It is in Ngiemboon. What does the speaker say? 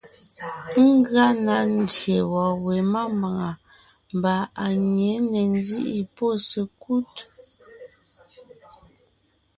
Ngʉa na ndyè wɔ̀ɔn we mámbàŋa mbà à nyě ne ńzíʼi pɔ́ sekúd.